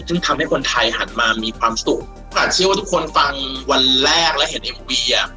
ซึ่งทำให้คนไทยหันมามีความสุขแต่เชื่อว่าทุกคนฟังวันแรกและเห็นเอ็มวีอ่ะ